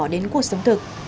đến cuộc sống thực